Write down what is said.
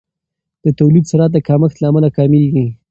د تولید سرعت د کمښت له امله کمیږي.